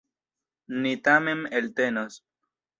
Ni tamen eltenos.